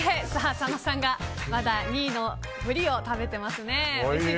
佐野さんがまだ２位の鰤王食べてますね。